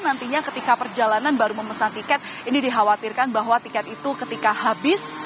nantinya ketika perjalanan baru memesan tiket ini dikhawatirkan bahwa tiket itu ketika habis